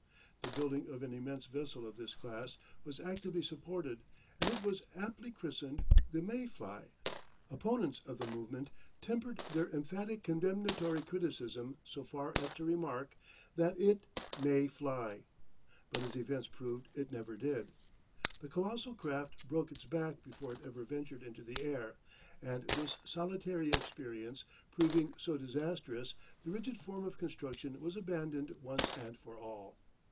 The building of an immense vessel of this class was actively supported and it was aptly christened the "May fly." Opponents of the movement tempered their emphatic condemnatory criticism so far as to remark that it MAY FLY, but as events proved it never did. The colossal craft broke its back before it ever ventured into the air, and this solitary experience proving so disastrous, the rigid form of construction was abandoned once and for all.